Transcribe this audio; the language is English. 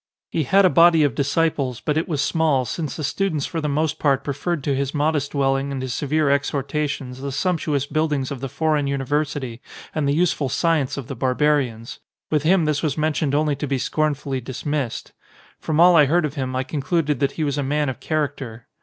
He had a body of dis ciples, but it was small, since the students for the most part preferred to his modest dwelling and his severe exhortations the sumptuous buildings of the foreign university and the useful science of the barbarians: with him this was mentioned only to be scornfully dismissed.. From all I heard of him I concluded that he was a man of character.